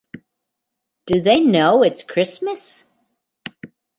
Do They Know It's Christmas?